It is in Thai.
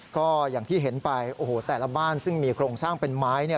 ก็อย่างที่เห็นไปโอ้โหแต่ละบ้านซึ่งมีโครงสร้างเป็นไม้